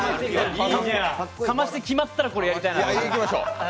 かまして、決まったらこれやりたいと思います。